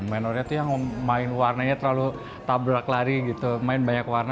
menornya tuh yang main warnanya terlalu tabrak lari gitu main banyak warna